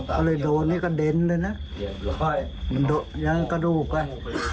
ก็เลยโดนให้กระเด็นเลยน่ะยังกระดูกไว้